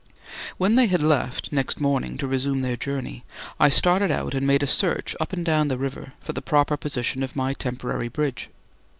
When they had left next morning to resume their journey, I started out and made a search up and down the river for the proper position for my temporary bridge.